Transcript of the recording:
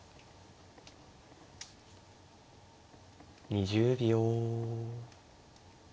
２０秒。